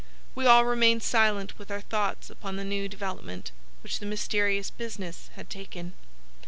We all remained silent, with our thoughts upon the new development which the mysterious business had taken.